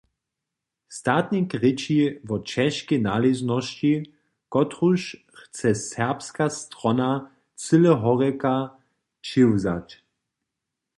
Statnik rěči wo ćežkej naležnosći, kotruž chce serbska strona cyle horjeka přiwjazać.